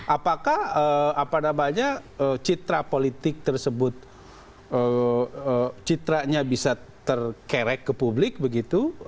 apakah citra politik tersebut citranya bisa terkerek ke publik begitu